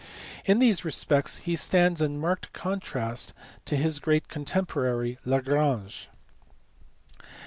In these respects he stands in marked con trast to his great contemporary Lagrange.